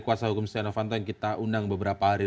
kuasa hukum setia novanto yang kita undang beberapa hari